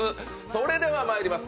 それではまいります。